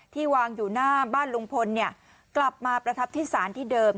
วางอยู่หน้าบ้านลุงพลกลับมาประทับที่ศาลที่เดิม